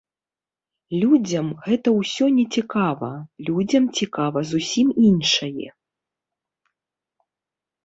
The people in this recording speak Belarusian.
Людзям гэта ўсё не цікава, людзям цікава зусім іншае.